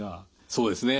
そうですね